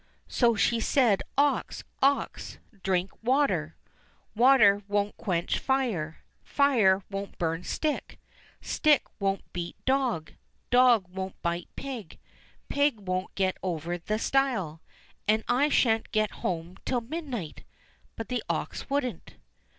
So she said, "Ox! ox! drink water; water won't quench fire; fire won't burn stick ; stick won't beat dog ; dog won't bite pig ; pig won't get over the stile ; and I shan't get home till mid night." But the ox wouldn't.